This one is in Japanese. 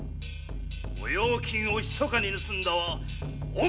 「御用金をひそかに盗んだはお前たちだ！」